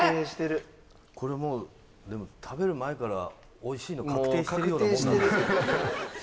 これもうでも食べる前からおいしいの確定してるようなものなんですけど。